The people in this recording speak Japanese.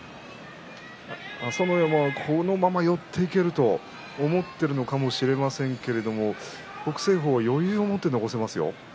朝乃山はこのまま寄っていけると思っているのかもしれませんけれども北青鵬は余裕を持って残せますよ。